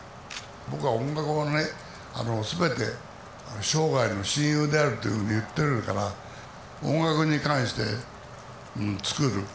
僕は音楽はね、すべて生涯の親友であるというふうに言ってるから、音楽に関して、作る。